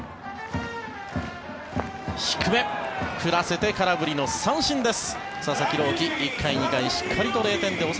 低め振らせて空振りの三振です。